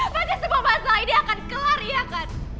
maka semua masalah ini akan kelar iya kan